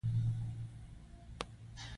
ایا زه باید کار وکړم؟